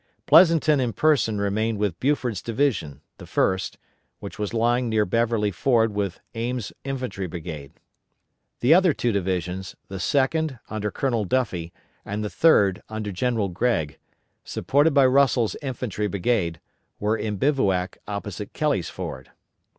Pleasonton in person remained with Buford's division the First which was lying near Beverly Ford with Ames' infantry brigade. The other two divisions, the Second, under Colonel Duffie, and the Third, under General Gregg supported by Russell's infantry brigade, were in bivouac opposite Kelly's Ford.